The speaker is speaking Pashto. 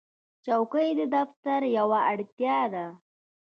چوکۍ د دفتر یوه اړتیا ده.